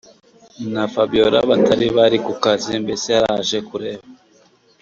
na fabiora batari bari kukazi mbese yaraje kureba